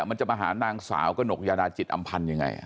มันจะมาหานางสาวกระหนกยาดาจิตอำพันธ์ยังไง